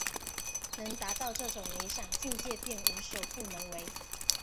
能达到这种理想境界便无所不能为。